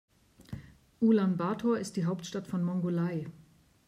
Ulaanbaatar ist die Hauptstadt von Mongolei.